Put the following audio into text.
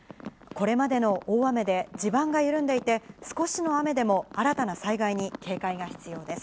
これまでの大雨で地盤が緩んでいて、少しの雨でも新たな災害に警戒が必要です。